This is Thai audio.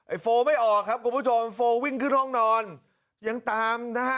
โฟลไม่ออกครับคุณผู้ชมโฟลวิ่งขึ้นห้องนอนยังตามนะฮะ